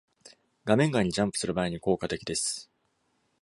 画面外にジャンプする場合に効果的です。